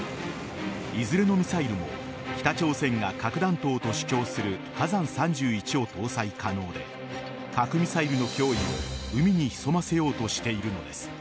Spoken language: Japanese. いずれのミサイルも北朝鮮が核弾頭と主張する火山３１を搭載可能で核ミサイルの脅威を海に潜ませようとしているのです。